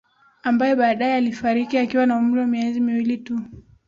Ambaye baadae alifariki akiwa na umri wa miezi miwili tu